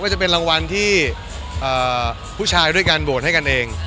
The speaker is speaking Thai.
จะเป็นรางวัลที่ผู้ชายด้วยการโหวตให้กันเอง